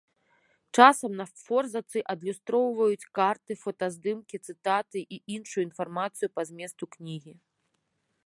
Часам на форзацы адлюстроўваюць карты, фотаздымкі, цытаты і іншую інфармацыю па зместу кнігі.